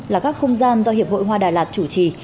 là các không gian do hiệp hội hoa đà lạt chủ trì